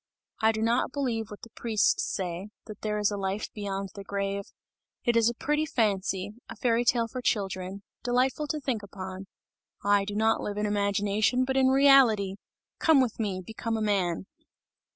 I do not believe what the priests say, that there is a life beyond the grave! It is a pretty fancy, a fairy tale for children, delightful to think upon. I do not live in imagination, but in reality! Come with me! Become a man!"